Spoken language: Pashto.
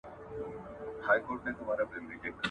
گوز په ټوخي نه تېرېږي.